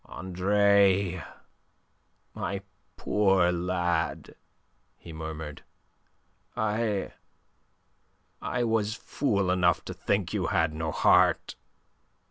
"Andre, my poor lad," he murmured. "I... I was fool enough to think you had no heart.